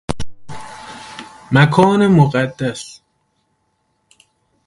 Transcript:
مکان مقدس